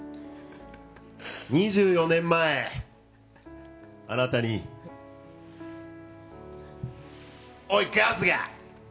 ２４年前、あなたにおい春日！